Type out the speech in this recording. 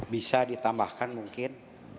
bisa ditambahkan mungkin